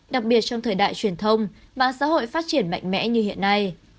đặc biệt trong thời đại truyền thông mạng xã hội phát triển mạnh mẽ như hiện nay